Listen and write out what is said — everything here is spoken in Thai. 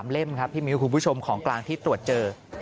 ๓เล่มค์คุณผู้ชมของกลางที่ตรวจเจอ